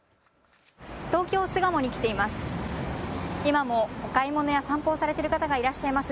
東京巣鴨に来ています。